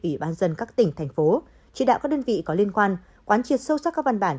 ủy ban dân các tỉnh thành phố chỉ đạo các đơn vị có liên quan quán triệt sâu sắc các văn bản